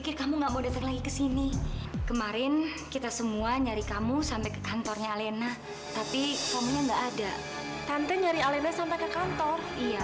tante janganlah tante gak usah dipercaya